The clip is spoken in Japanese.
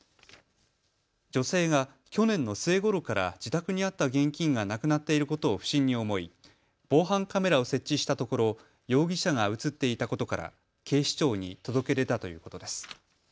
女性が去年の末ごろから自宅にあった現金がなくなっていることを不審に思い防犯カメラを設置したところ、容疑者が映っていたことから警視庁に届け出たということです。